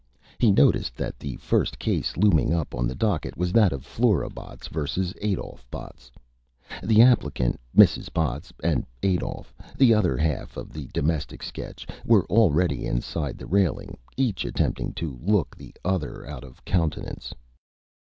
He noticed that the first Case looming up on the Docket was that of Flora Botts vs. Adolph Botts. The Applicant, Mrs. Botts, and Adolph, the Other Half of the Domestic Sketch, were already inside the Railing, each attempting to look the other out of Countenance.